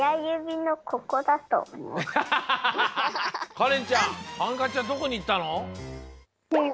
かれんちゃんハンカチはどこにいったの？